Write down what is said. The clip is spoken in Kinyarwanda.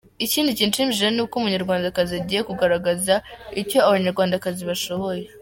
Ikindi kinshimishije ni uko Umunyarwandakazi agiye kugaragaza icyo Abanyarwandakazi bashoboye.